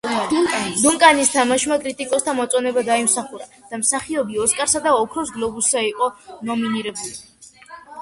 დუნკანის თამაშმა კრიტიკოსთა მოწონება დაიმსახურა და მსახიობი ოსკარსა და ოქროს გლობუსზე იყო ნომინირებული.